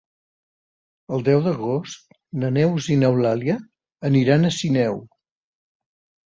El deu d'agost na Neus i n'Eulàlia aniran a Sineu.